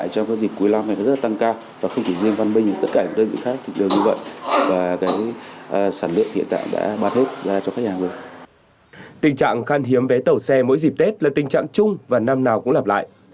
tình trạng khan hiếm vé tàu xe mỗi dịp tết là tình trạng chung và năm nào cũng lặp lại